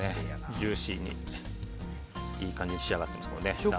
ジューシーにいい感じに仕上がっていますね断面も。